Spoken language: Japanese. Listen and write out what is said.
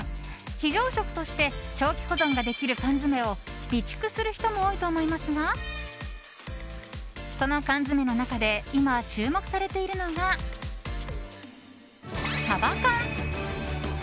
非常食として長期保存ができる缶詰を備蓄する人も多いと思いますがその缶詰の中で、今注目されているのがサバ缶！